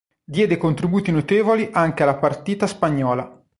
Diede contributi notevoli anche alla partita Spagnola.